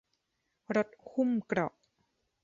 รถหุ้มเกราะ